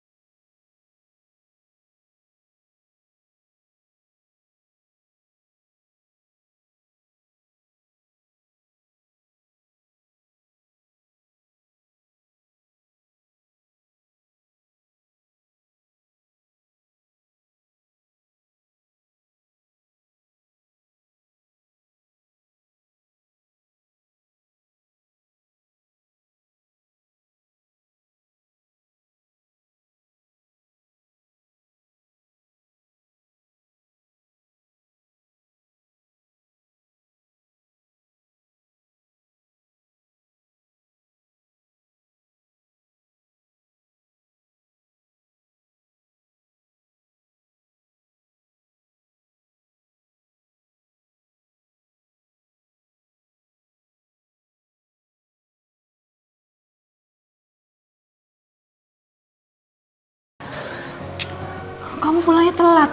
tadi waktu papa keluar dari coffee city mau pulang